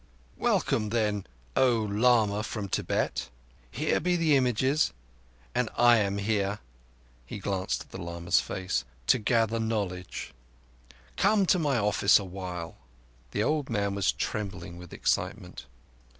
"Welcome, then, O lama from Tibet. Here be the images, and I am here"—he glanced at the lama's face—"to gather knowledge. Come to my office awhile." The old man was trembling with excitement.